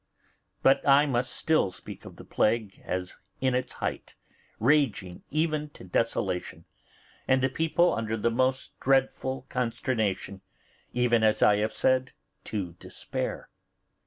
But I must still speak of the plague as in its height, raging even to desolation, and the people under the most dreadful consternation, even, as I have said, to despair.